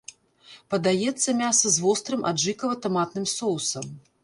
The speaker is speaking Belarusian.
Падаецца мяса з вострым аджыкава-таматным соусам.